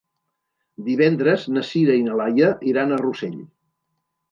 Divendres na Sira i na Laia iran a Rossell.